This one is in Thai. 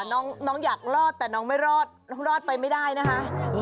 น้องอยากรอดแต่น้องไม่รอดรอดไปไม่ได้นะคะ